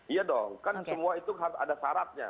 iya dong kan semua itu harus ada syaratnya